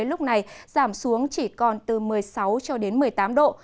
lúc này giảm xuống chỉ còn từ một mươi sáu cho đến một mươi tám độ